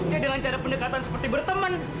ya dengan cara pendekatan seperti berteman